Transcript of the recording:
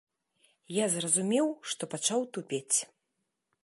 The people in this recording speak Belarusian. Я зразумеў, што пачаў тупець.